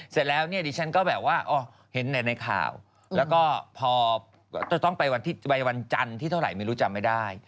เสร็จแล้วเนี่ยดิฉันก็แบบว่าเห็นแต่ในข่าวแล้วก็พอจะต้องไปวันจันทร์ที่เท่าไหร่ไม่รู้จำไม่ได้